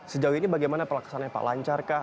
sejauh ini bagaimana pelaksananya pak lancar kah